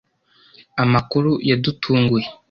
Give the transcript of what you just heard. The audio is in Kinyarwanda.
Amakuru yadutunguye.